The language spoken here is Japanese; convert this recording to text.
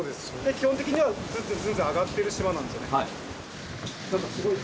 基本的にはズンズンズンズン上がってる島なんですよね。